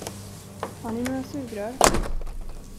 Har ni några sugrör?